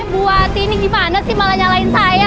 bu hati ini gimana sih malah nyalain saya